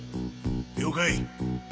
了解。